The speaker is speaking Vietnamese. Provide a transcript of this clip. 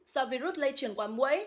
do virus lây truyền qua mũi